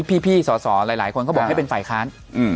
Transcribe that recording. พี่สอสอหลายคนเขาบอกให้เป็นฝ่ายค้าน